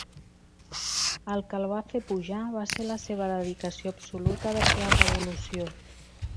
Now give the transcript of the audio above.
El que el va fer pujar va ser la seva dedicació absoluta vers la revolució.